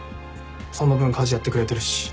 その分家事やってくれてるし。